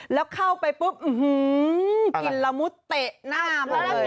แล้วเข้าไปปุ๊บกินละมุดเตะหน้ามาเลย